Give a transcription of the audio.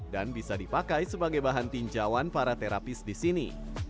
dan bisa dipakai sebagai bahan tinjauan para terapis di sini